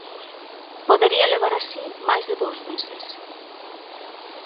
Podería levar así máis de dous meses.